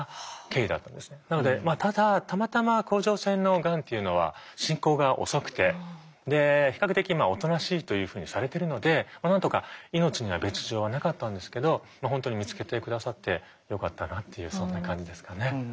なのでただたまたま甲状腺のがんというのは進行が遅くて比較的おとなしいというふうにされてるのでなんとか命には別状はなかったんですけど本当に見つけて下さってよかったなっていうそんな感じですかね。